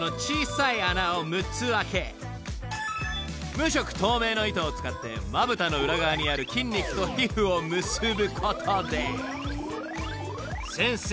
［無色透明の糸を使ってまぶたの裏側にある筋肉と皮膚を結ぶことで先生